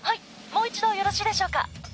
もう一度よろしいでしょうか？」